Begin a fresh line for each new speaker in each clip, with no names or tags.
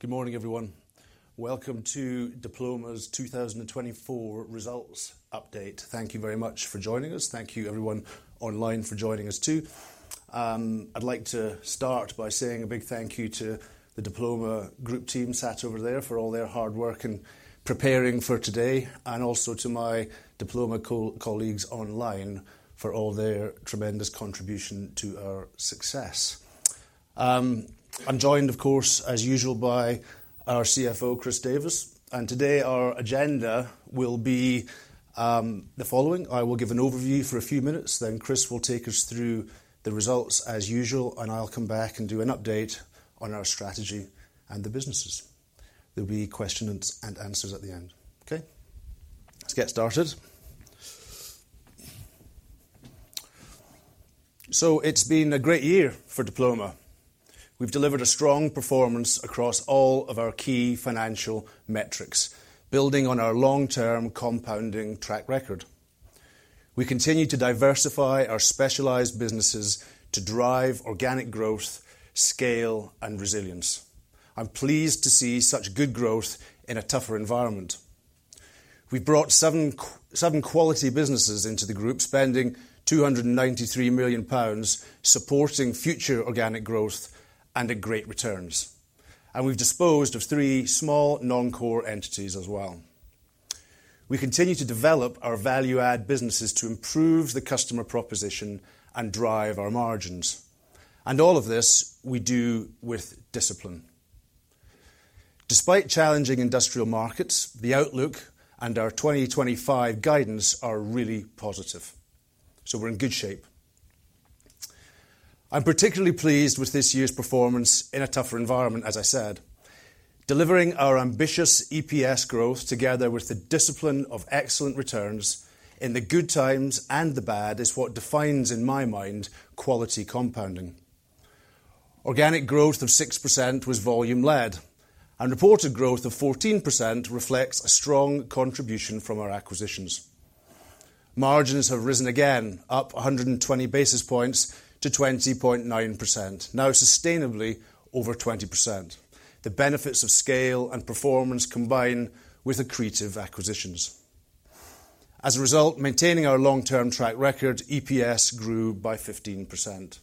Good morning, everyone. Welcome to Diploma's 2024 results update. Thank you very much for joining us. Thank you, everyone online, for joining us too. I'd like to start by saying a big thank you to the Diploma Group team sat over there for all their hard work in preparing for today, and also to my Diploma colleagues online for all their tremendous contribution to our success. I'm joined, of course, as usual, by our CFO, Chris Davies, and today, our agenda will be the following. I will give an overview for a few minutes, then Chris will take us through the results as usual, and I'll come back and do an update on our strategy and the businesses. There'll be questions and answers at the end. Okay, let's get started, so it's been a great year for Diploma. We've delivered a strong performance across all of our key financial metrics, building on our long-term compounding track record. We continue to diversify our specialized businesses to drive organic growth, scale, and resilience. I'm pleased to see such good growth in a tougher environment. We've brought seven quality businesses into the group, spending 293 million pounds, supporting future organic growth and great returns. And we've disposed of three small non-core entities as well. We continue to develop our value-add businesses to improve the customer proposition and drive our margins. And all of this we do with discipline. Despite challenging industrial markets, the outlook and our 2025 guidance are really positive. So we're in good shape. I'm particularly pleased with this year's performance in a tougher environment, as I said. Delivering our ambitious EPS growth together with the discipline of excellent returns in the good times and the bad is what defines, in my mind, quality compounding. Organic growth of 6% was volume-led, and reported growth of 14% reflects a strong contribution from our acquisitions. Margins have risen again, up 120 basis points to 20.9%, now sustainably over 20%. The benefits of scale and performance combine with accretive acquisitions. As a result, maintaining our long-term track record, EPS grew by 15%.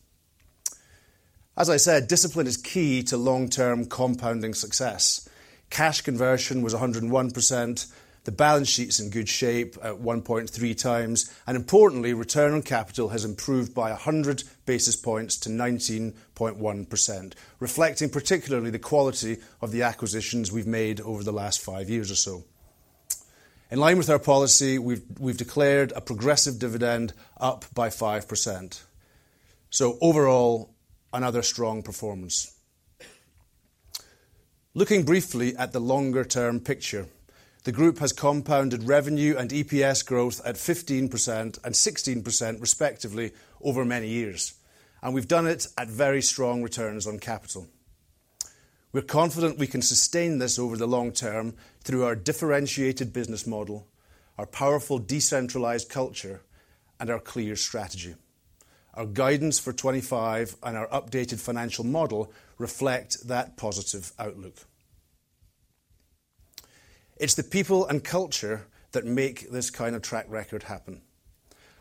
As I said, discipline is key to long-term compounding success. Cash conversion was 101%. The balance sheet's in good shape at 1.3 times, and importantly, return on capital has improved by 100 basis points to 19.1%, reflecting particularly the quality of the acquisitions we've made over the last five years or so. In line with our policy, we've declared a progressive dividend up by 5%. Overall, another strong performance. Looking briefly at the longer-term picture, the group has compounded revenue and EPS growth at 15% and 16%, respectively, over many years. We've done it at very strong returns on capital. We're confident we can sustain this over the long term through our differentiated business model, our powerful decentralized culture, and our clear strategy. Our guidance for 2025 and our updated financial model reflect that positive outlook. It's the people and culture that make this kind of track record happen.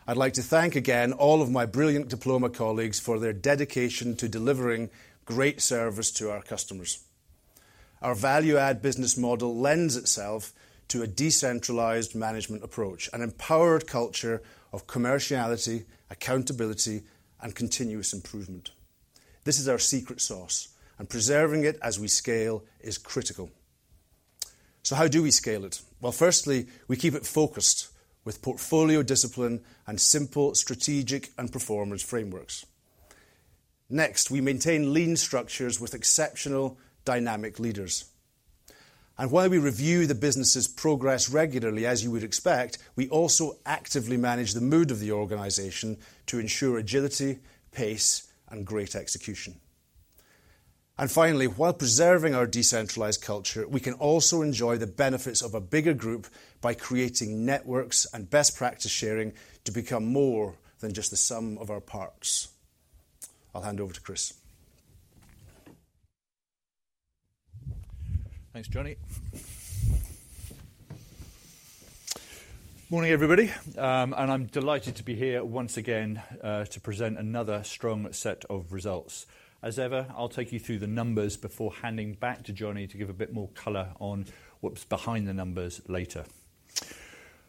I'd like to thank again all of my brilliant Diploma colleagues for their dedication to delivering great service to our customers. Our value-add business model lends itself to a decentralized management approach, an empowered culture of commerciality, accountability, and continuous improvement. This is our secret sauce, and preserving it as we scale is critical. How do we scale it? Firstly, we keep it focused with portfolio discipline and simple strategic and performance frameworks. Next, we maintain lean structures with exceptional dynamic leaders. While we review the business's progress regularly, as you would expect, we also actively manage the mood of the organization to ensure agility, pace, and great execution. Finally, while preserving our decentralized culture, we can also enjoy the benefits of a bigger group by creating networks and best practice sharing to become more than just the sum of our parts. I'll hand over to Chris.
Thanks, Johnny. Morning, everybody, and I'm delighted to be here once again to present another strong set of results. As ever, I'll take you through the numbers before handing back to Johnny to give a bit more color on what's behind the numbers later.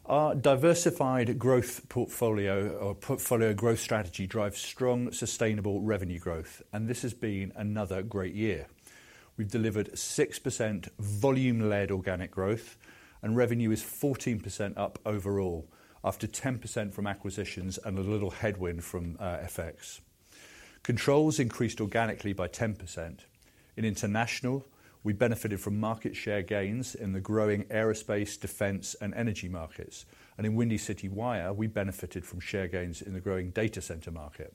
Our diversified growth portfolio or portfolio growth strategy drives strong, sustainable revenue growth, and this has been another great year. We've delivered 6% volume-led organic growth, and revenue is 14% up overall after 10% from acquisitions and a little headwind from FX. Controls increased organically by 10%. In International, we benefited from market share gains in the growing aerospace, defense, and energy markets, and in Windy City Wire, we benefited from share gains in the growing data center market.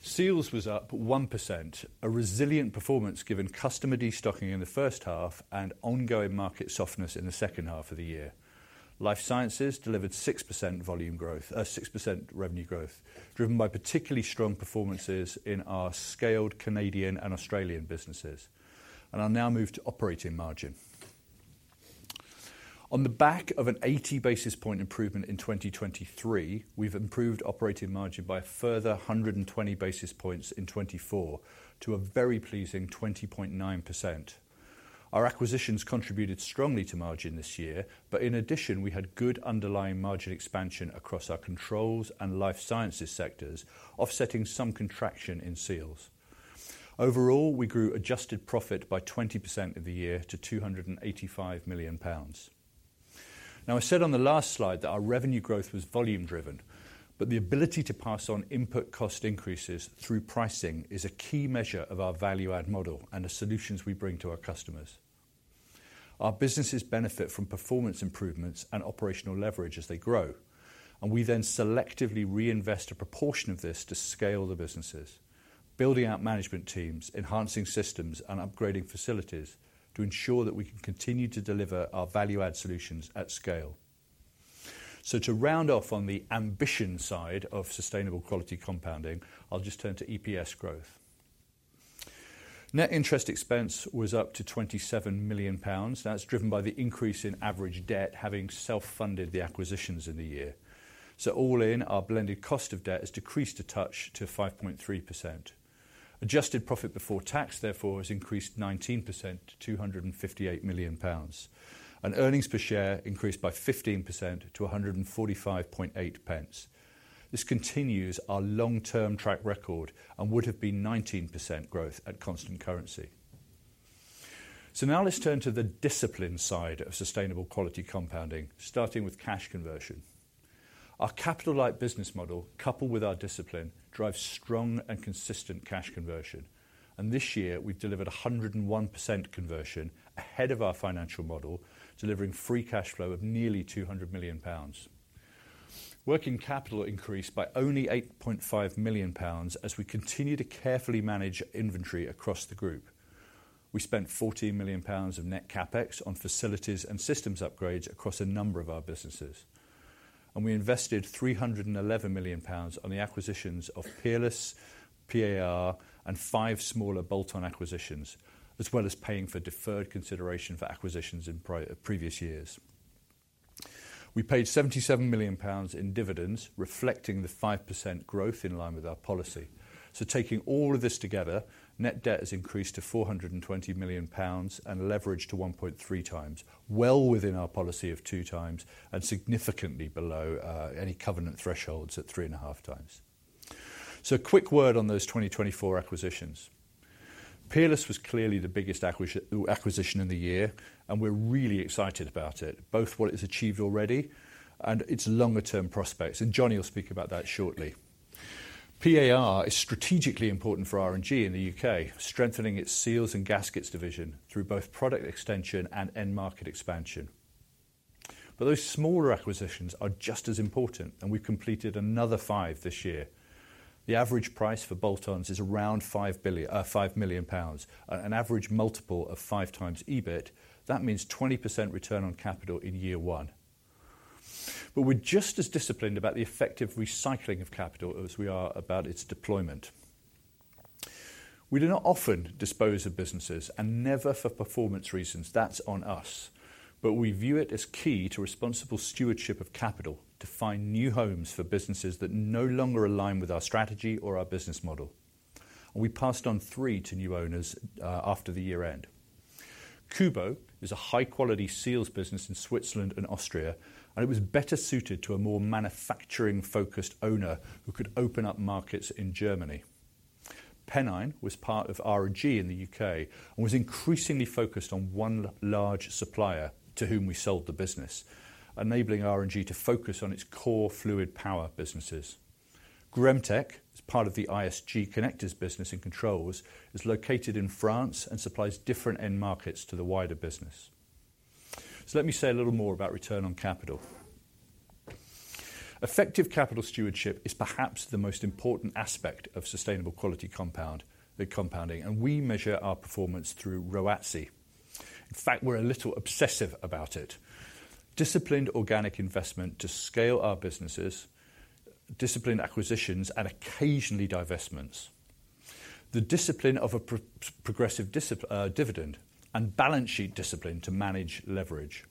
Seals was up 1%, a resilient performance given customer destocking in the first half and ongoing market softness in the second half of the year. Life Sciences delivered 6% revenue growth, driven by particularly strong performances in our scaled Canadian and Australian businesses. I'll now move to operating margin. On the back of an 80 basis points improvement in 2023, we've improved operating margin by a further 120 basis points in 2024 to a very pleasing 20.9%. Our acquisitions contributed strongly to margin this year, but in addition, we had good underlying margin expansion across our controls and life sciences sectors, offsetting some contraction in seals. Overall, we grew adjusted profit by 20% of the year to 285 million pounds. Now, I said on the last slide that our revenue growth was volume-driven, but the ability to pass on input cost increases through pricing is a key measure of our value-add model and the solutions we bring to our customers. Our businesses benefit from performance improvements and operational leverage as they grow, and we then selectively reinvest a proportion of this to scale the businesses, building out management teams, enhancing systems, and upgrading facilities to ensure that we can continue to deliver our value-add solutions at scale. So to round off on the ambition side of sustainable quality compounding, I'll just turn to EPS growth. Net interest expense was up to £27 million. That's driven by the increase in average debt having self-funded the acquisitions in the year. So all in, our blended cost of debt has decreased a touch to 5.3%. Adjusted profit before tax, therefore, has increased 19% to £258 million, and earnings per share increased by 15% to £145.8. This continues our long-term track record and would have been 19% growth at constant currency. So now let's turn to the discipline side of sustainable quality compounding, starting with cash conversion. Our capital-light business model, coupled with our discipline, drives strong and consistent cash conversion. And this year, we've delivered 101% conversion ahead of our financial model, delivering free cash flow of nearly £200 million. Working capital increased by only £8.5 million as we continue to carefully manage inventory across the group. We spent £14 million of net CapEx on facilities and systems upgrades across a number of our businesses. And we invested £311 million on the acquisitions of Peerless, PAR, and five smaller bolt-on acquisitions, as well as paying for deferred consideration for acquisitions in previous years. We paid £77 million in dividends, reflecting the 5% growth in line with our policy. So taking all of this together, net debt has increased to 420 million pounds and leveraged to 1.3 times, well within our policy of two times and significantly below any covenant thresholds at three and a half times. So a quick word on those 2024 acquisitions. Peerless was clearly the biggest acquisition in the year, and we're really excited about it, both what it's achieved already and its longer-term prospects. And Johnny will speak about that shortly. PAR is strategically important for R&G in the U.K., strengthening its seals and gaskets division through both product extension and end market expansion. But those smaller acquisitions are just as important, and we've completed another five this year. The average price for bolt-ons is around 5 million pounds, an average multiple of five times EBIT. That means 20% return on capital in year one. But we're just as disciplined about the effective recycling of capital as we are about its deployment. We do not often dispose of businesses and never for performance reasons. That's on us. But we view it as key to responsible stewardship of capital to find new homes for businesses that no longer align with our strategy or our business model. And we passed on three to new owners after the year-end. Kubo is a high-quality seals business in Switzerland and Austria, and it was better suited to a more manufacturing-focused owner who could open up markets in Germany. Pennine was part of R&G in the U.K. and was increasingly focused on one large supplier to whom we sold the business, enabling R&G to focus on its core fluid power businesses. Gremtek, as part of the ISG connectors business and controls, is located in France and supplies different end markets to the wider business, so let me say a little more about return on capital. Effective capital stewardship is perhaps the most important aspect of sustainable quality compounding, and we measure our performance through ROATCE. In fact, we're a little obsessive about it. Disciplined organic investment to scale our businesses, disciplined acquisitions and occasionally divestments, the discipline of a progressive dividend and balance sheet discipline to manage leverage.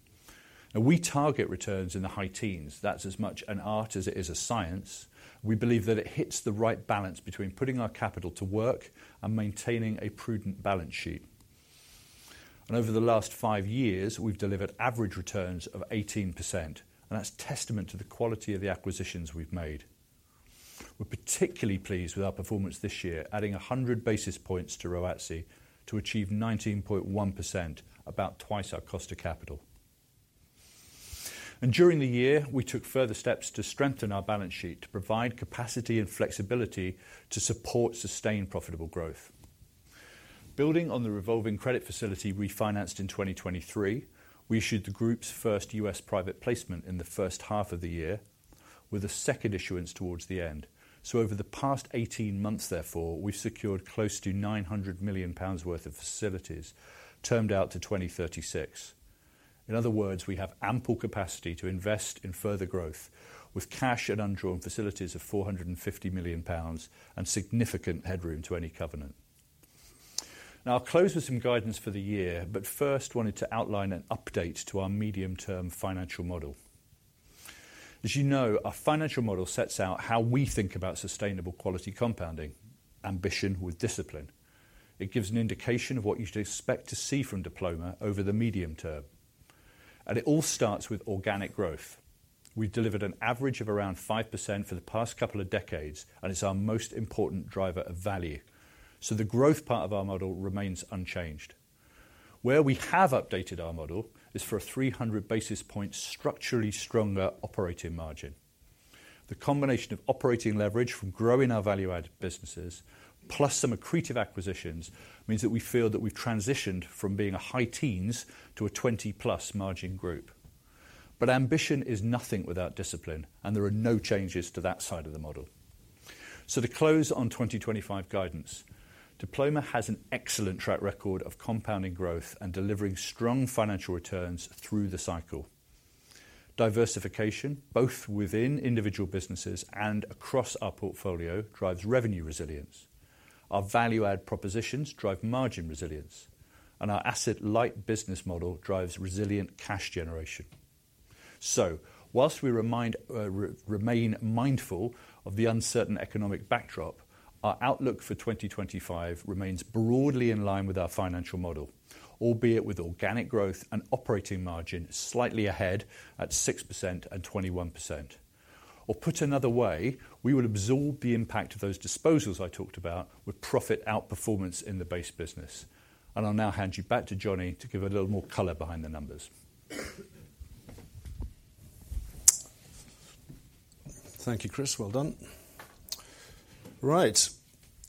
Now, we target returns in the high teens. That's as much an art as it is a science. We believe that it hits the right balance between putting our capital to work and maintaining a prudent balance sheet, and over the last five years, we've delivered average returns of 18%, and that's testament to the quality of the acquisitions we've made. We're particularly pleased with our performance this year, adding 100 basis points to ROATCE to achieve 19.1%, about twice our cost of capital. During the year, we took further steps to strengthen our balance sheet to provide capacity and flexibility to support sustained profitable growth. Building on the revolving credit facility refinanced in 2023, we issued the group's first U.S. Private Placement in the first half of the year with a second issuance towards the end. Over the past 18 months, therefore, we've secured close to 900 million pounds worth of facilities termed out to 2036. In other words, we have ample capacity to invest in further growth with cash and undrawn facilities of 450 million pounds and significant headroom to any covenant. Now, I'll close with some guidance for the year, but first wanted to outline an update to our medium-term financial model. As you know, our financial model sets out how we think about sustainable quality compounding: ambition with discipline. It gives an indication of what you should expect to see from Diploma over the medium term. It all starts with organic growth. We've delivered an average of around 5% for the past couple of decades, and it's our most important driver of value. The growth part of our model remains unchanged. Where we have updated our model is for a 300 basis point structurally stronger operating margin. The combination of operating leverage from growing our value-added businesses plus some accretive acquisitions means that we feel that we've transitioned from being a high teens to a 20-plus margin group. Ambition is nothing without discipline, and there are no changes to that side of the model. So to close on 2025 guidance, Diploma has an excellent track record of compounding growth and delivering strong financial returns through the cycle. Diversification, both within individual businesses and across our portfolio, drives revenue resilience. Our value-add propositions drive margin resilience, and our asset-light business model drives resilient cash generation. So whilst we remain mindful of the uncertain economic backdrop, our outlook for 2025 remains broadly in line with our financial model, albeit with organic growth and operating margin slightly ahead at 6% and 21%. Or put another way, we will absorb the impact of those disposals I talked about with profit outperformance in the base business. And I'll now hand you back to Johnny to give a little more color behind the numbers.
Thank you, Chris. Well done. Right.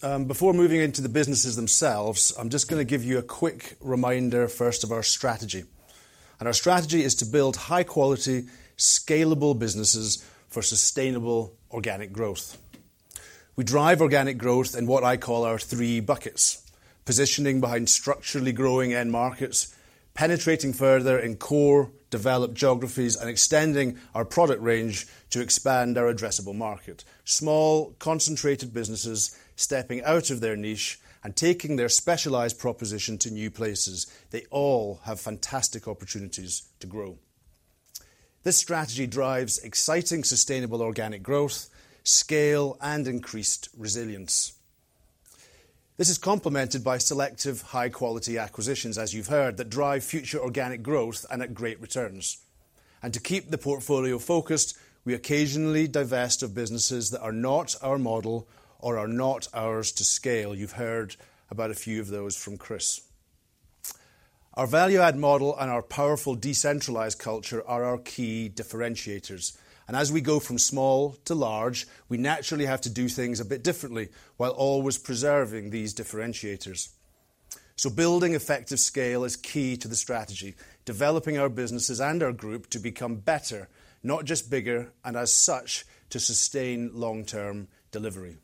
Before moving into the businesses themselves, I'm just going to give you a quick reminder first of our strategy. And our strategy is to build high-quality, scalable businesses for sustainable organic growth. We drive organic growth in what I call our three buckets: positioning behind structurally growing end markets, penetrating further in core developed geographies, and extending our product range to expand our addressable market. Small concentrated businesses stepping out of their niche and taking their specialized proposition to new places. They all have fantastic opportunities to grow. This strategy drives exciting sustainable organic growth, scale, and increased resilience. This is complemented by selective high-quality acquisitions, as you've heard, that drive future organic growth and at great returns. And to keep the portfolio focused, we occasionally divest of businesses that are not our model or are not ours to scale. You've heard about a few of those from Chris. Our value-add model and our powerful decentralized culture are our key differentiators. And as we go from small to large, we naturally have to do things a bit differently while always preserving these differentiators. So building effective scale is key to the strategy, developing our businesses and our group to become better, not just bigger, and as such to sustain long-term delivery.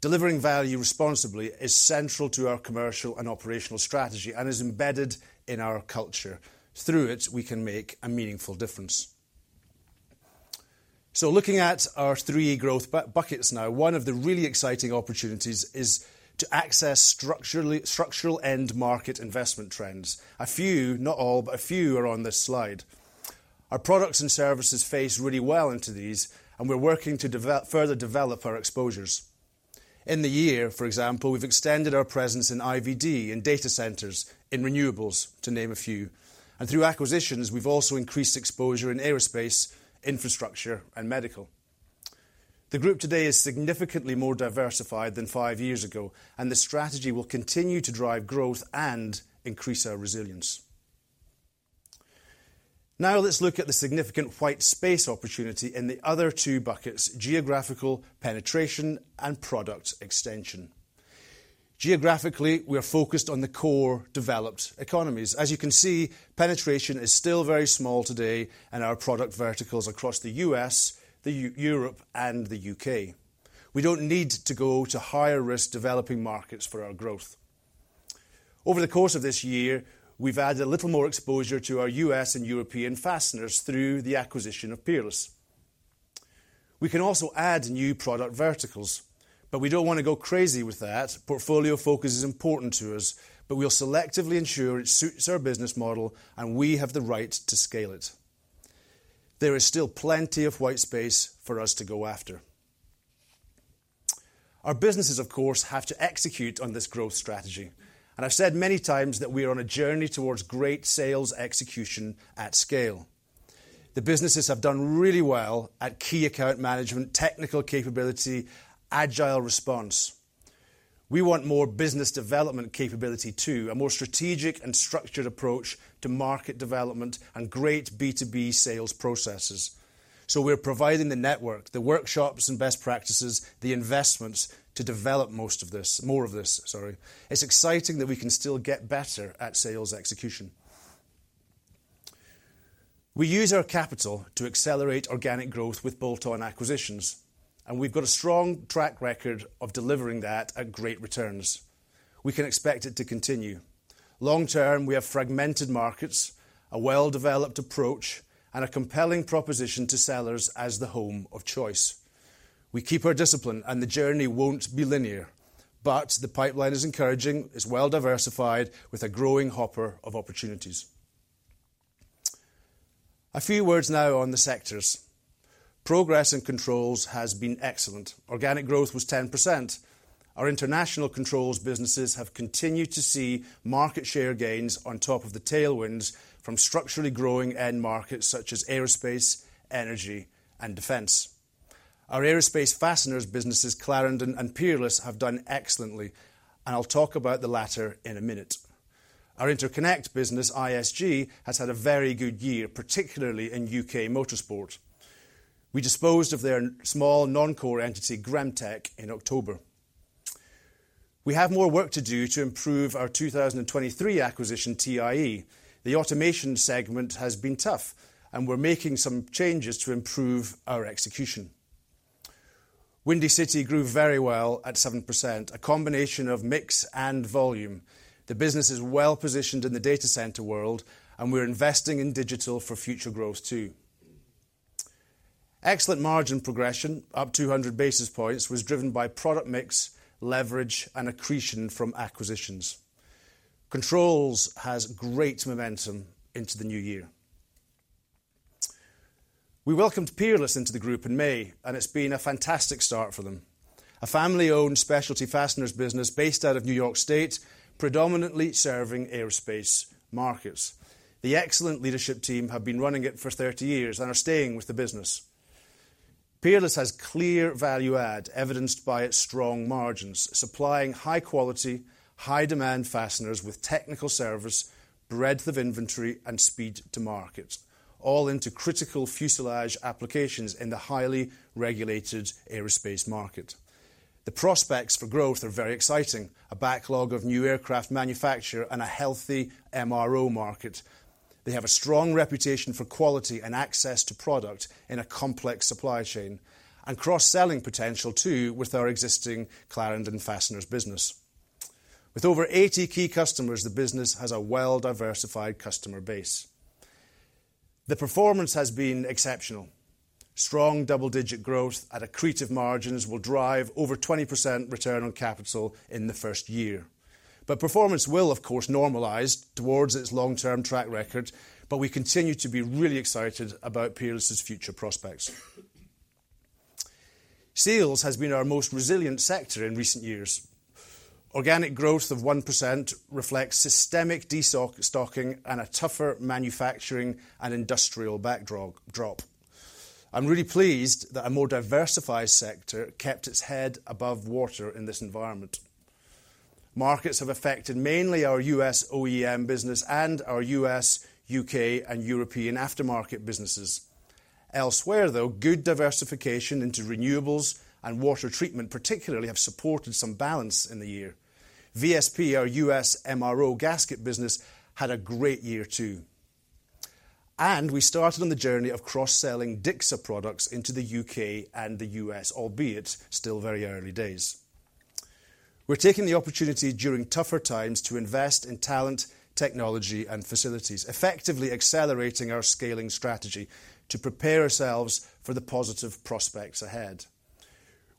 Delivering value responsibly is central to our commercial and operational strategy and is embedded in our culture. Through it, we can make a meaningful difference. So looking at our three growth buckets now, one of the really exciting opportunities is to access structural end market investment trends. A few, not all, but a few are on this slide. Our products and services fit really well into these, and we're working to further develop our exposures. In the year, for example, we've extended our presence in IVD, in data centers, in renewables, to name a few, and through acquisitions, we've also increased exposure in aerospace, infrastructure, and medical. The group today is significantly more diversified than five years ago, and the strategy will continue to drive growth and increase our resilience. Now let's look at the significant white space opportunity in the other two buckets: geographical penetration and product extension. Geographically, we are focused on the core developed economies. As you can see, penetration is still very small today in our product verticals across the U.S., Europe, and the U.K. We don't need to go to higher-risk developing markets for our growth. Over the course of this year, we've added a little more exposure to our U.S. and European fasteners through the acquisition of Peerless. We can also add new product verticals, but we don't want to go crazy with that. Portfolio focus is important to us, but we'll selectively ensure it suits our business model, and we have the right to scale it. There is still plenty of white space for us to go after. Our businesses, of course, have to execute on this growth strategy. And I've said many times that we are on a journey towards great sales execution at scale. The businesses have done really well at key account management, technical capability, agile response. We want more business development capability too, a more strategic and structured approach to market development and great B2B sales processes. So we're providing the network, the workshops and best practices, the investments to develop most of this, more of this, sorry. It's exciting that we can still get better at sales execution. We use our capital to accelerate organic growth with bolt-on acquisitions, and we've got a strong track record of delivering that at great returns. We can expect it to continue. Long term, we have fragmented markets, a well-developed approach, and a compelling proposition to sellers as the home of choice. We keep our discipline, and the journey won't be linear, but the pipeline is encouraging. It's well-diversified with a growing hopper of opportunities. A few words now on the sectors. Progress in controls has been excellent. Organic growth was 10%. Our international controls businesses have continued to see market share gains on top of the tailwinds from structurally growing end markets such as aerospace, energy, and defense. Our aerospace fasteners businesses, Clarendon and Peerless, have done excellently, and I'll talk about the latter in a minute. Our interconnect business, ISG, has had a very good year, particularly in U.K. motorsport. We disposed of their small non-core entity, Gremtek, in October. We have more work to do to improve our 2023 acquisition, TIE. The automation segment has been tough, and we're making some changes to improve our execution. Windy City grew very well at 7%, a combination of mix and volume. The business is well-positioned in the data center world, and we're investing in digital for future growth too. Excellent margin progression, up 200 basis points, was driven by product mix, leverage, and accretion from acquisitions. Controls has great momentum into the new year. We welcomed Peerless into the group in May, and it's been a fantastic start for them. A family-owned specialty fasteners business based out of New York State, predominantly serving aerospace markets. The excellent leadership team have been running it for 30 years and are staying with the business. Peerless has clear value-add, evidenced by its strong margins, supplying high-quality, high-demand fasteners with technical service, breadth of inventory, and speed to market, all into critical fuselage applications in the highly regulated aerospace market. The prospects for growth are very exciting, a backlog of new aircraft manufacture and a healthy MRO market. They have a strong reputation for quality and access to product in a complex supply chain and cross-selling potential too with our existing Clarendon fasteners business. With over 80 key customers, the business has a well-diversified customer base. The performance has been exceptional. Strong double-digit growth at accretive margins will drive over 20% return on capital in the first year. But performance will, of course, normalize towards its long-term track record, but we continue to be really excited about Peerless's future prospects. Seals has been our most resilient sector in recent years. Organic growth of 1% reflects systemic de-stocking and a tougher manufacturing and industrial backdrop. I'm really pleased that a more diversified sector kept its head above water in this environment. Markets have affected mainly our U.S. OEM business and our U.S., U.K., and European aftermarket businesses. Elsewhere, though, good diversification into renewables and water treatment particularly have supported some balance in the year. VSP, our U.S. MRO gasket business, had a great year too. We started on the journey of cross-selling DICSA products into the U.K. and the U.S., albeit still very early days. We're taking the opportunity during tougher times to invest in talent, technology, and facilities, effectively accelerating our scaling strategy to prepare ourselves for the positive prospects ahead.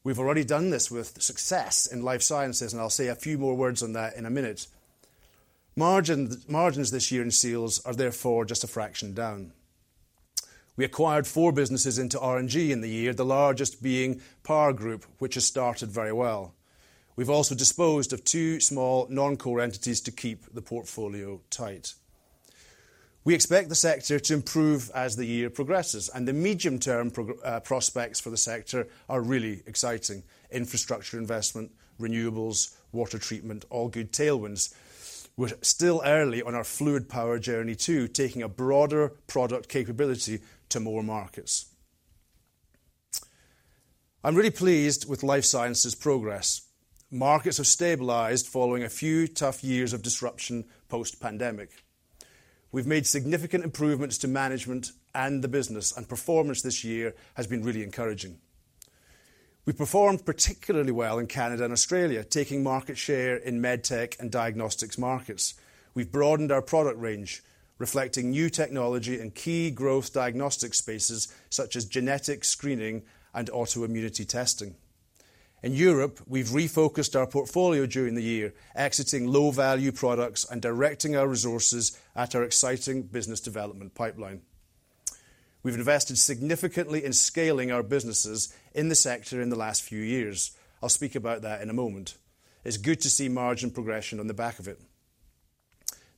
We've already done this with success in life sciences, and I'll say a few more words on that in a minute. Margins this year in Seals are therefore just a fraction down. We acquired four businesses into R&G in the year, the largest being PAR Group, which has started very well. We've also disposed of two small non-core entities to keep the portfolio tight. We expect the sector to improve as the year progresses, and the medium-term prospects for the sector are really exciting: infrastructure investment, renewables, water treatment, all good tailwinds. We're still early on our fluid power journey too, taking a broader product capability to more markets. I'm really pleased with Life Sciences progress. Markets have stabilized following a few tough years of disruption post-pandemic. We've made significant improvements to management and the business, and performance this year has been really encouraging. We performed particularly well in Canada and Australia, taking market share in med tech and diagnostics markets. We've broadened our product range, reflecting new technology and key growth diagnostic spaces such as genetic screening and autoimmunity testing. In Europe, we've refocused our portfolio during the year, exiting low-value products and directing our resources at our exciting business development pipeline. We've invested significantly in scaling our businesses in the sector in the last few years. I'll speak about that in a moment. It's good to see margin progression on the back of it.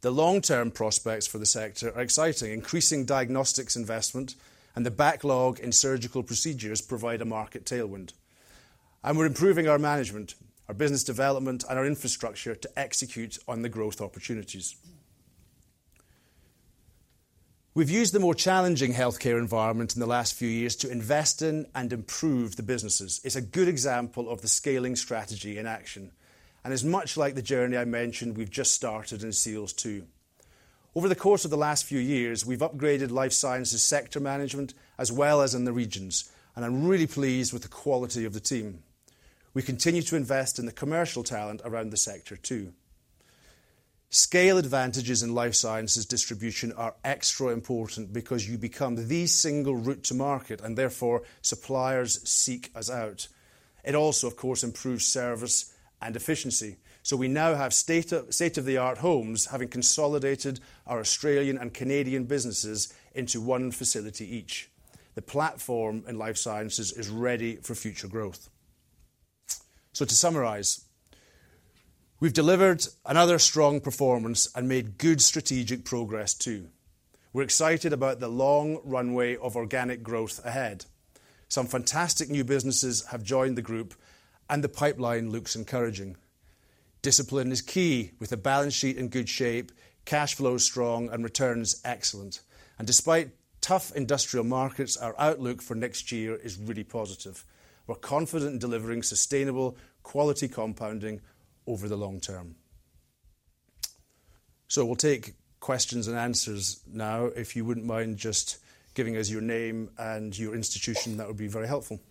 The long-term prospects for the sector are exciting. Increasing diagnostics investment and the backlog in surgical procedures provide a market tailwind, and we're improving our management, our business development, and our infrastructure to execute on the growth opportunities. We've used the more challenging healthcare environment in the last few years to invest in and improve the businesses. It's a good example of the scaling strategy in action. It's much like the journey I mentioned we've just started in Seals too. Over the course of the last few years, we've upgraded life sciences sector management as well as in the regions, and I'm really pleased with the quality of the team. We continue to invest in the commercial talent around the sector too. Scale advantages in life sciences distribution are extra important because you become the single route to market, and therefore suppliers seek us out. It also, of course, improves service and efficiency. So we now have state-of-the-art hubs, having consolidated our Australian and Canadian businesses into one facility each. The platform in life sciences is ready for future growth. So to summarize, we've delivered another strong performance and made good strategic progress too. We're excited about the long runway of organic growth ahead. Some fantastic new businesses have joined the group, and the pipeline looks encouraging. Discipline is key with a balance sheet in good shape, cash flows strong, and returns excellent. And despite tough industrial markets, our outlook for next year is really positive. We're confident in delivering sustainable quality compounding over the long term. So we'll take questions and answers now. If you wouldn't mind just giving us your name and your institution, that would be very helpful.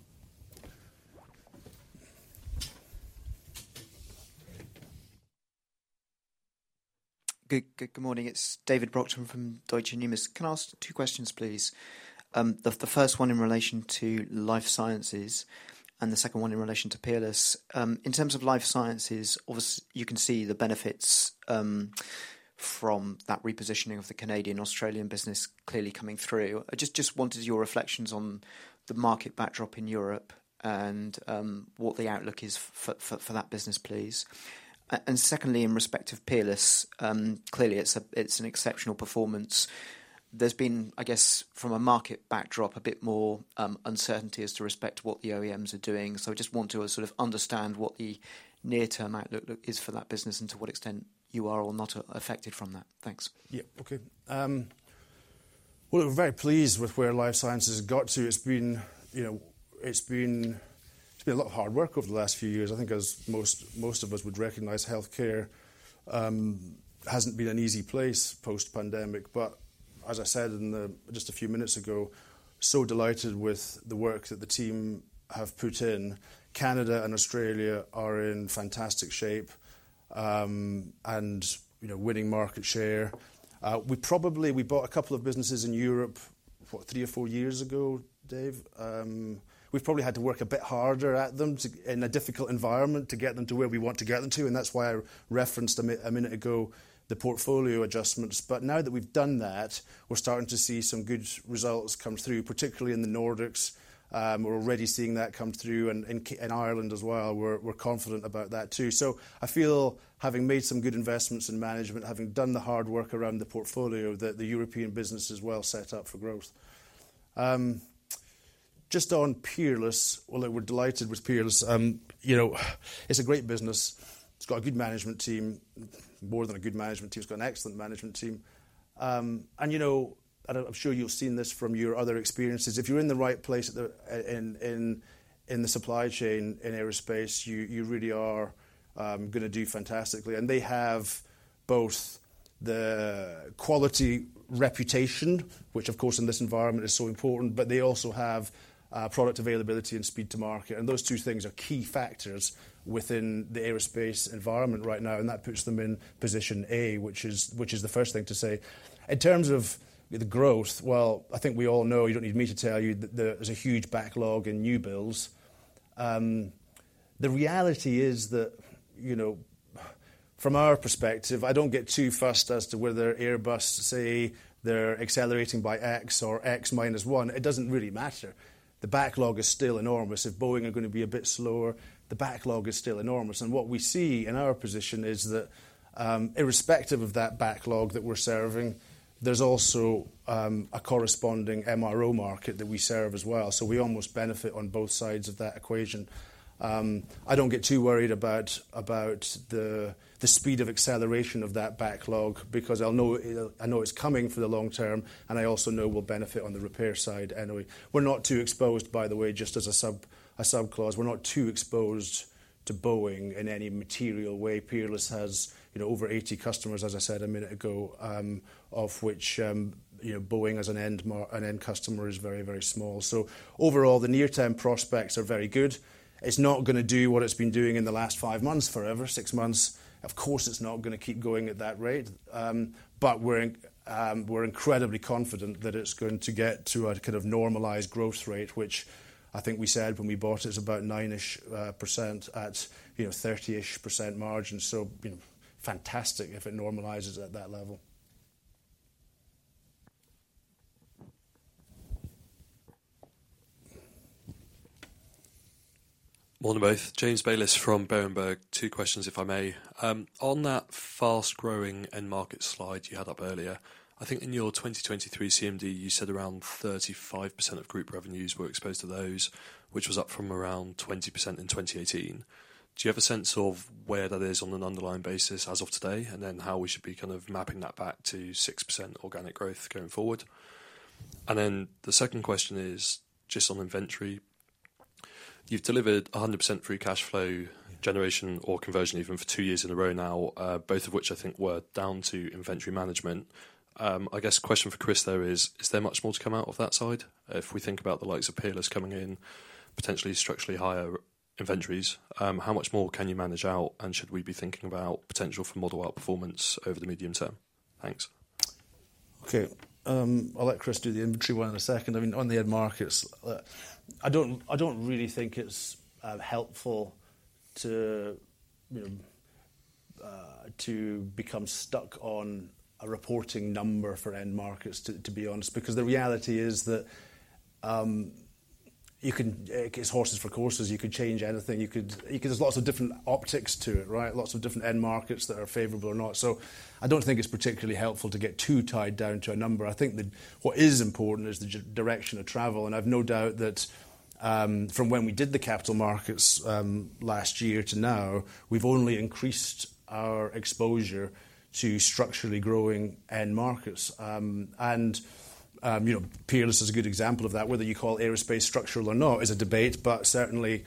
Good morning. It's David Brockton from Deutsche Numis. Can I ask two questions, please? The first one in relation to life sciences and the second one in relation to Peerless. In terms of life sciences, obviously you can see the benefits from that repositioning of the Canadian-Australian business clearly coming through. I just wanted your reflections on the market backdrop in Europe and what the outlook is for that business, please. And secondly, in respect of Peerless, clearly it's an exceptional performance. There's been, I guess, from a market backdrop, a bit more uncertainty with respect to what the OEMs are doing. So I just want to sort of understand what the near-term outlook is for that business and to what extent you are or not affected from that. Thanks.
Yeah, okay. Well, we're very pleased with where life sciences has got to. It's been a lot of hard work over the last few years. I think, as most of us would recognize, healthcare hasn't been an easy place post-pandemic. But as I said just a few minutes ago, so delighted with the work that the team have put in. Canada and Australia are in fantastic shape and winning market share. We bought a couple of businesses in Europe, what, three or four years ago, Dave? We've probably had to work a bit harder at them in a difficult environment to get them to where we want to get them to. And that's why I referenced a minute ago the portfolio adjustments. But now that we've done that, we're starting to see some good results come through, particularly in the Nordics. We're already seeing that come through in Ireland as well. We're confident about that too. So I feel, having made some good investments in management, having done the hard work around the portfolio, that the European business is well set up for growth. Just on Peerless, well, we're delighted with Peerless. It's a great business. It's got a good management team, more than a good management team. It's got an excellent management team. And I'm sure you've seen this from your other experiences. If you're in the right place in the supply chain in aerospace, you really are going to do fantastically. And they have both the quality reputation, which, of course, in this environment is so important, but they also have product availability and speed to market. And those two things are key factors within the aerospace environment right now, and that puts them in position A, which is the first thing to say. In terms of the growth, well, I think we all know, you don't need me to tell you, there's a huge backlog in new builds. The reality is that, from our perspective, I don't get too fussed as to whether Airbus, say, they're accelerating by X or X minus one. It doesn't really matter. The backlog is still enormous. If Boeing are going to be a bit slower, the backlog is still enormous. What we see in our position is that, irrespective of that backlog that we're serving, there's also a corresponding MRO market that we serve as well. So we almost benefit on both sides of that equation. I don't get too worried about the speed of acceleration of that backlog because I know it's coming for the long term, and I also know we'll benefit on the repair side anyway. We're not too exposed, by the way, just as a subclause, we're not too exposed to Boeing in any material way. Peerless has over 80 customers, as I said a minute ago, of which Boeing, as an end customer, is very, very small. So overall, the near-term prospects are very good. It's not going to do what it's been doing in the last five months forever, six months. Of course, it's not going to keep going at that rate. We're incredibly confident that it's going to get to a kind of normalized growth rate, which I think we said when we bought it. It's about 9-ish% at 30-ish% margin. So fantastic if it normalizes at that level.
Morning both. James Bayliss from Berenberg. Two questions, if I may. On that fast-growing end market slide you had up earlier, I think in your 2023 CMD, you said around 35% of group revenues were exposed to those, which was up from around 20% in 2018. Do you have a sense of where that is on an underlying basis as of today, and then how we should be kind of mapping that back to 6% organic growth going forward? And then the second question is just on inventory. You've delivered 100% free cash flow generation or conversion even for two years in a row now, both of which I think were down to inventory management. I guess question for Chris, though, is there much more to come out of that side? If we think about the likes of Peerless coming in, potentially structurally higher inventories, how much more can you manage out, and should we be thinking about potential for model outperformance over the medium term? Thanks.
Okay. I'll let Chris do the inventory one in a second. I mean, on the end markets, I don't really think it's helpful to become stuck on a reporting number for end markets, to be honest, because the reality is that it's horses for courses. You could change anything. There's lots of different optics to it, right? Lots of different end markets that are favorable or not. So I don't think it's particularly helpful to get too tied down to a number. I think what is important is the direction of travel. And I have no doubt that from when we did the capital markets last year to now, we've only increased our exposure to structurally growing end markets. And Peerless is a good example of that. Whether you call aerospace structural or not is a debate, but certainly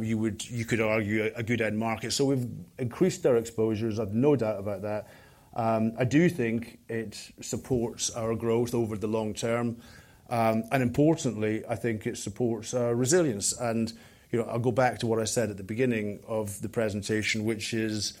you could argue a good end market. So we've increased our exposures. I have no doubt about that. I do think it supports our growth over the long term. And importantly, I think it supports our resilience. And I'll go back to what I said at the beginning of the presentation, which is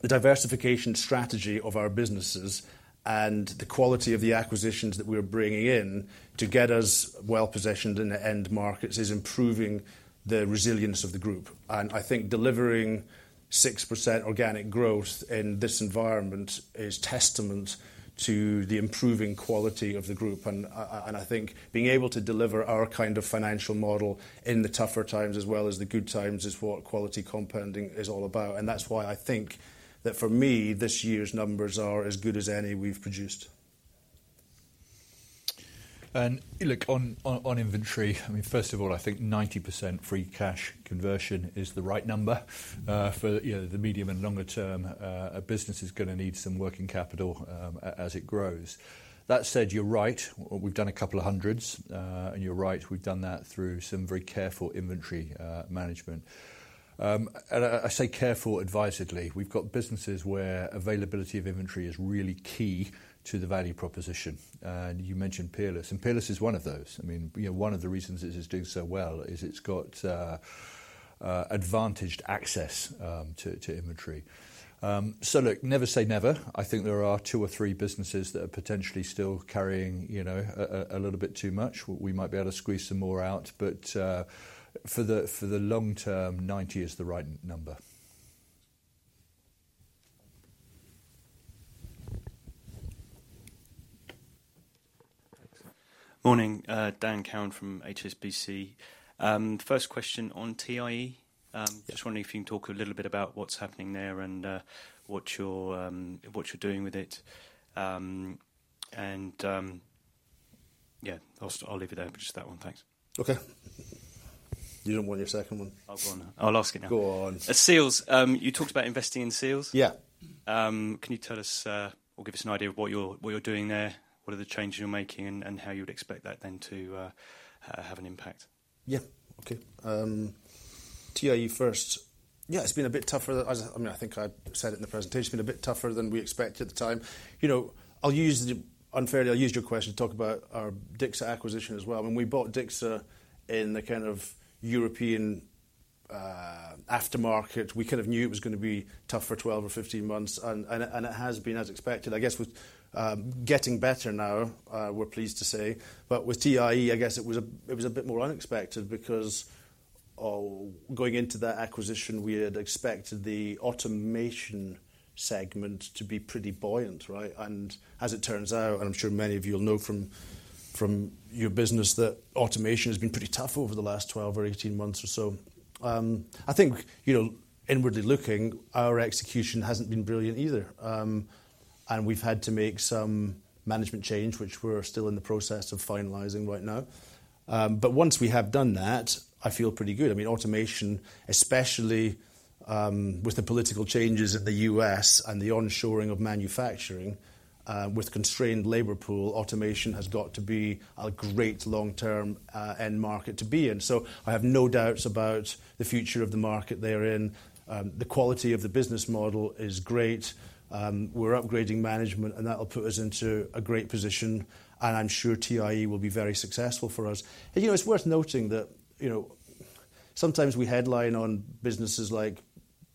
the diversification strategy of our businesses and the quality of the acquisitions that we're bringing in to get us well positioned in the end markets is improving the resilience of the group. And I think delivering 6% organic growth in this environment is testament to the improving quality of the group. And I think being able to deliver our kind of financial model in the tougher times as well as the good times is what quality compounding is all about. And that's why I think that for me, this year's numbers are as good as any we've produced.
And look, on inventory, I mean, first of all, I think 90% free cash conversion is the right number for the medium and longer term. A business is going to need some working capital as it grows. That said, you're right. We've done a couple of hundreds. And you're right. We've done that through some very careful inventory management. And I say careful advisedly. We've got businesses where availability of inventory is really key to the value proposition. And you mentioned Peerless. And Peerless is one of those. I mean, one of the reasons it is doing so well is it's got advantaged access to inventory. So look, never say never. I think there are two or three businesses that are potentially still carrying a little bit too much. We might be able to squeeze some more out. But for the long term, 90 is the right number.
Morning. Dan Cowen from HSBC. First question on TIE. Just wondering if you can talk a little bit about what's happening there and what you're doing with it. And yeah, I'll leave it there, but just that one. Thanks.
Okay. You don't want your second one?
I'll ask it now.
Go on. Seals.
You talked about investing in seals? Yeah. Can you tell us or give us an idea of what you're doing there, what are the changes you're making, and how you would expect that then to have an impact?
Yeah. Okay. TIE first. Yeah, it's been a bit tougher. I mean, I think I said it in the presentation. It's been a bit tougher than we expected at the time. Unfairly, I'll use your question to talk about our DICSA acquisition as well. When we bought DICSA in the kind of European aftermarket, we kind of knew it was going to be tough for 12 or 15 months. It has been as expected. I guess it's getting better now. We're pleased to say. With TIE, I guess it was a bit more unexpected because going into that acquisition, we had expected the automation segment to be pretty buoyant, right? As it turns out, and I'm sure many of you will know from your business that automation has been pretty tough over the last 12 or 18 months or so. I think inwardly looking, our execution hasn't been brilliant either. We've had to make some management change, which we're still in the process of finalizing right now. Once we have done that, I feel pretty good. I mean, automation, especially with the political changes in the U.S. and the onshoring of manufacturing with constrained labor pool, automation has got to be a great long-term end market to be in. So I have no doubts about the future of the market they're in. The quality of the business model is great. We're upgrading management, and that'll put us into a great position. And I'm sure TIE will be very successful for us. It's worth noting that sometimes we headline on businesses like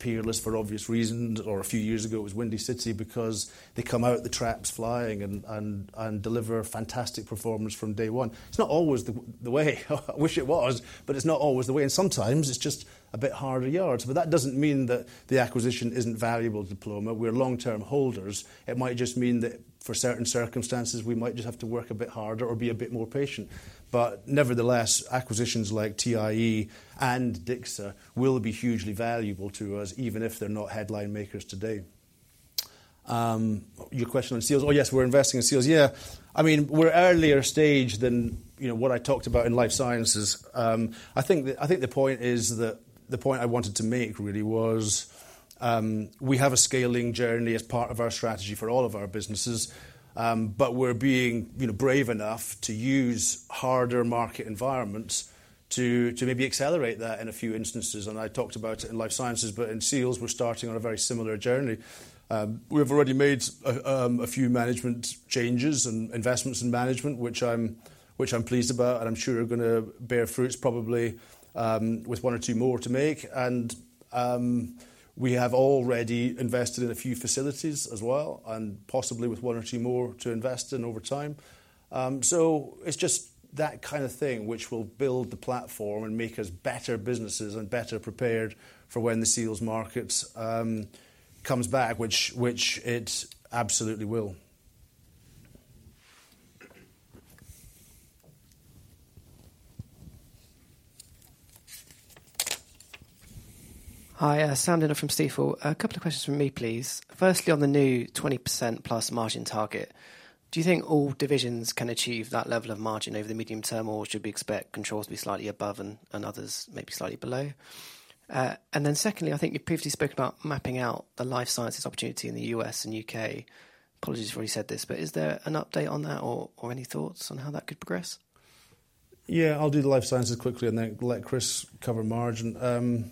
Peerless for obvious reasons, or a few years ago, it was Windy City because they come out the traps flying and deliver fantastic performance from day one. It's not always the way. I wish it was, but it's not always the way. And sometimes it's just a bit harder yards. But that doesn't mean that the acquisition isn't valuable, Diploma. We're long-term holders. It might just mean that for certain circumstances, we might just have to work a bit harder or be a bit more patient. But nevertheless, acquisitions like TIE and DICSA will be hugely valuable to us, even if they're not headline makers today. Your question on Seals. Oh, yes, we're investing in Seals. Yeah. I mean, we're earlier stage than what I talked about in life sciences. I think the point is that the point I wanted to make really was we have a scaling journey as part of our strategy for all of our businesses, but we're being brave enough to use harder market environments to maybe accelerate that in a few instances. And I talked about it in life sciences, but in Seals, we're starting on a very similar journey. We've already made a few management changes and investments in management, which I'm pleased about, and I'm sure are going to bear fruits, probably, with one or two more to make. And we have already invested in a few facilities as well, and possibly with one or two more to invest in over time. So it's just that kind of thing which will build the platform and make us better businesses and better prepared for when the Seals market comes back, which it absolutely will.
Hi, Sam Dindol from Stifel. A couple of questions from me, please. Firstly, on the new 20% plus margin target, do you think all divisions can achieve that level of margin over the medium term, or should we expect controls to be slightly above and others maybe slightly below? And then, secondly, I think you previously spoke about mapping out the life sciences opportunity in the US and U.K.. Apologies if I already said this, but is there an update on that or any thoughts on how that could progress?
Yeah, I'll do the life sciences quickly and then let Chris cover margin.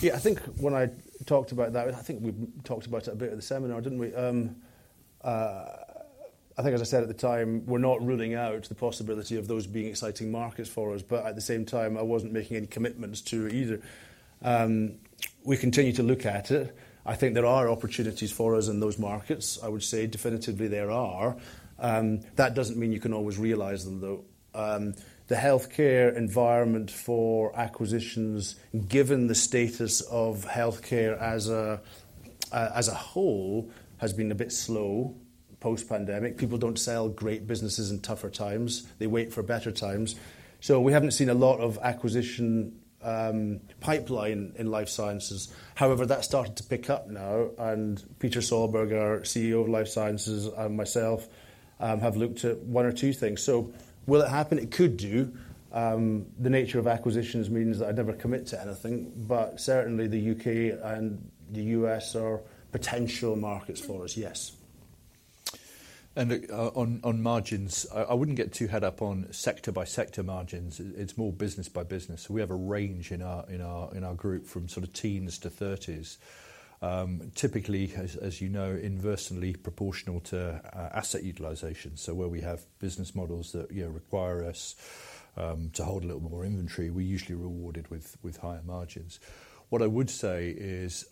Yeah, I think when I talked about that, I think we talked about it a bit at the seminar, didn't we? I think, as I said at the time, we're not ruling out the possibility of those being exciting markets for us, but at the same time, I wasn't making any commitments to it either. We continue to look at it. I think there are opportunities for us in those markets. I would say definitively there are. That doesn't mean you can always realize them, though. The healthcare environment for acquisitions, given the status of healthcare as a whole, has been a bit slow post-pandemic. People don't sell great businesses in tougher times. They wait for better times, so we haven't seen a lot of acquisition pipeline in Life Sciences. However, that started to pick up now, and Peter Solberg, our CEO of Life Sciences, and myself have looked at one or two things. So will it happen? It could do. The nature of acquisitions means that I'd never commit to anything, but certainly the U.K. and the U.S. are potential markets for us, yes.
And on margins, I wouldn't get too hung up on sector-by-sector margins. It's more business-by-business. We have a range in our group from sort of teens to 30s, typically, as you know, inversely proportional to asset utilization. Where we have business models that require us to hold a little more inventory, we're usually rewarded with higher margins. What I would say is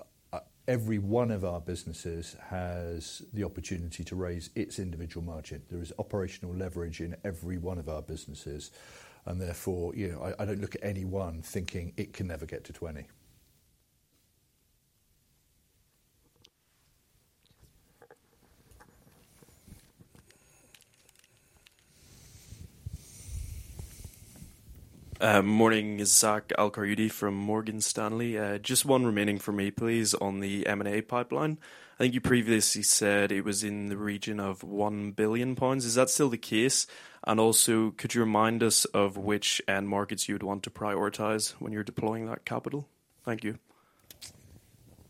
every one of our businesses has the opportunity to raise its individual margin. There is operational leverage in every one of our businesses. And therefore, I don't look at anyone thinking it can never get to 20.
Morning, Isa Al-Karidi from Morgan Stanley. Just one remaining for me, please, on the M&A pipeline. I think you previously said it was in the region of 1 billion pounds. Is that still the case? And also, could you remind us of which end markets you would want to prioritize when you're deploying that capital? Thank you.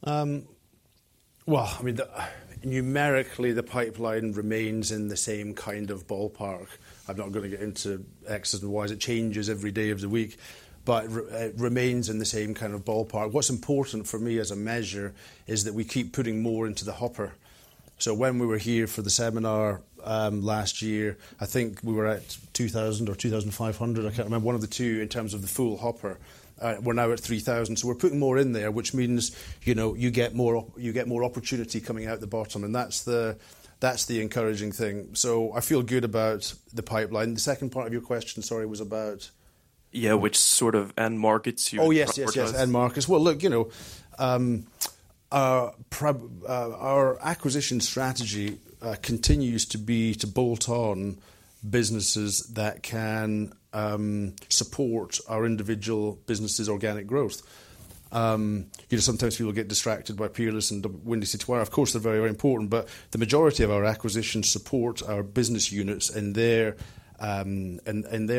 I mean, numerically, the pipeline remains in the same kind of ballpark. I'm not going to get into X's and Y's. It changes every day of the week, but it remains in the same kind of ballpark. What's important for me as a measure is that we keep putting more into the hopper. So when we were here for the seminar last year, I think we were at 2,000 or 2,500. I can't remember one of the two in terms of the full hopper. We're now at 3,000. So we're putting more in there, which means you get more opportunity coming out the bottom. And that's the encouraging thing. So I feel good about the pipeline. The second part of your question, sorry, was about.
Yeah, which sort of end markets you're working for?
Oh, yes, yes, yes, end markets. Well, look, our acquisition strategy continues to be to bolt on businesses that can support our individual businesses' organic growth. Sometimes people get distracted by Peerless and Windy City Wire. Of course, they're very, very important, but the majority of our acquisitions support our business units and their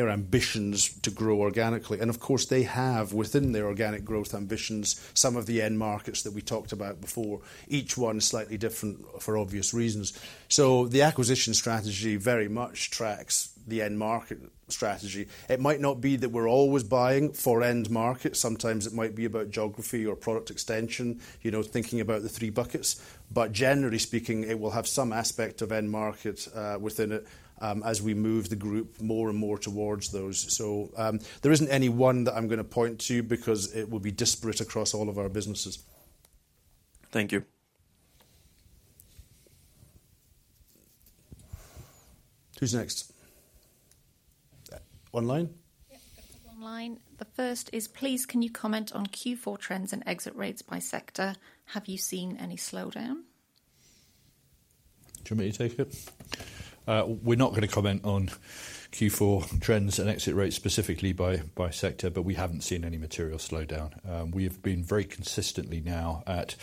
ambitions to grow organically. And of course, they have, within their organic growth ambitions, some of the end markets that we talked about before. Each one is slightly different for obvious reasons. So the acquisition strategy very much tracks the end market strategy. It might not be that we're always buying for end markets. Sometimes it might be about geography or product extension, thinking about the three buckets. But generally speaking, it will have some aspect of end markets within it as we move the group more and more towards those. So there isn't any one that I'm going to point to because it will be disparate across all of our businesses. Thank you. Who's next? Online?
Yeah, we've got a couple online. The first is, please, can you comment on Q4 trends and exit rates by sector? Have you seen any slowdown?
Do you want me to take it? We're not going to comment on Q4 trends and exit rates specifically by sector, but we haven't seen any material slowdown. We have been very consistently now at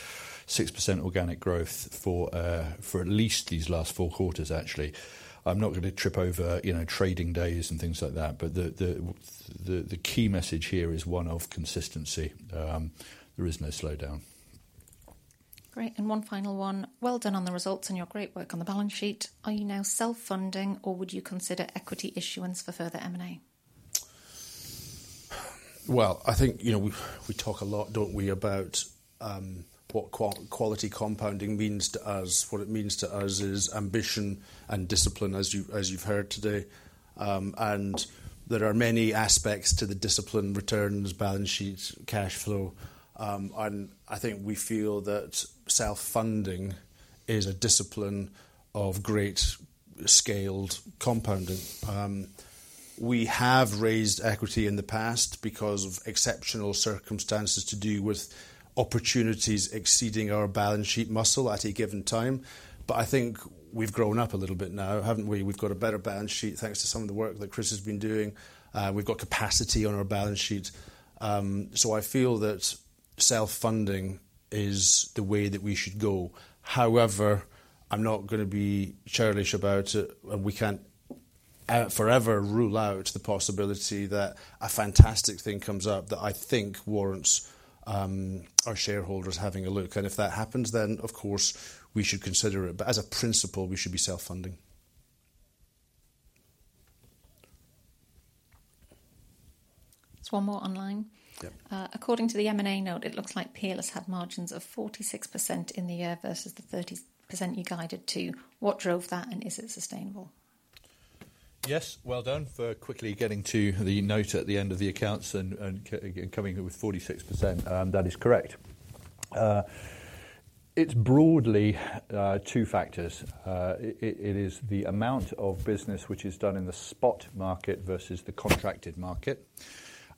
6% organic growth for at least these last four quarters, actually. I'm not going to trip over trading days and things like that, but the key message here is one of consistency. There is no slowdown. Great. And one final one. Well done on the results and your great work on the balance sheet. Are you now self-funding, or would you consider equity issuance for further M&A? Well, I think we talk a lot, don't we, about what quality compounding means to us. What it means to us is ambition and discipline, as you've heard today. And there are many aspects to the discipline: returns, balance sheets, cash flow. And I think we feel that self-funding is a discipline of great scaled compounding. We have raised equity in the past because of exceptional circumstances to do with opportunities exceeding our balance sheet muscle at a given time. But I think we've grown up a little bit now, haven't we? We've got a better balance sheet thanks to some of the work that Chris has been doing. We've got capacity on our balance sheet. So I feel that self-funding is the way that we should go. However, I'm not going to be churlish about it, and we can't forever rule out the possibility that a fantastic thing comes up that I think warrants our shareholders having a look. And if that happens, then, of course, we should consider it. But as a principle, we should be self-funding.
Just one more online. According to the M&A note, it looks like Peerless had margins of 46% in the year versus the 30% you guided to. What drove that, and is it sustainable?
Yes, well done for quickly getting to the note at the end of the accounts and coming up with 46%. That is correct. It's broadly two factors. It is the amount of business which is done in the spot market versus the contracted market.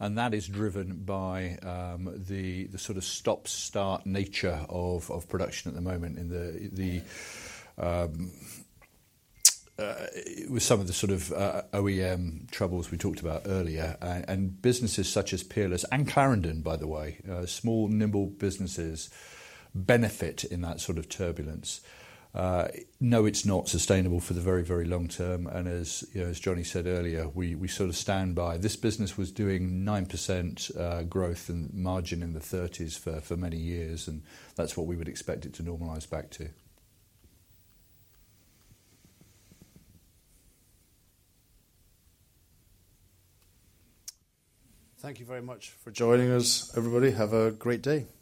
And that is driven by the sort of stop-start nature of production at the moment with some of the sort of OEM troubles we talked about earlier. And businesses such as Peerless and Clarendon, by the way, small, nimble businesses benefit in that sort of turbulence. No, it's not sustainable for the very, very long term, and as Johnny said earlier, we sort of stand by this business was doing 9% growth and margin in the 30s for many years, and that's what we would expect it to normalize back to. Thank you very much for joining us, everybody. Have a great day. Thank you.